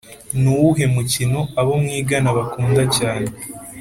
Ni uwuhe mukino abo mwigana bakunda cyane